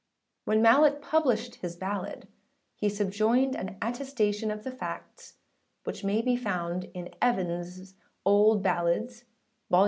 When Mallet published his ballad he subjoined an attestation of the facts, which may be found in Evansâ Old Ballads, vol.